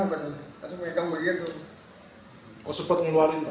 oh sempat mengeluarkan